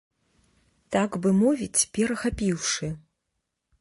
Так бы мовіць, перахапіўшы.